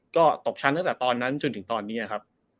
ก็ตกชั้นตั้งแต่ตอนนั้นจนถึงตอนนี้ครับ